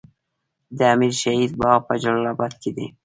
د امیر شهید باغ په جلال اباد کې دی